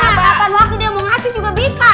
nah kapan waktu dia mau ngasih juga bisa